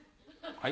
はい。